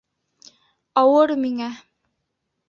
Ауыр миңә!